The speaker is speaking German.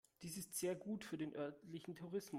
Dies ist sehr gut für den örtlichen Tourismus.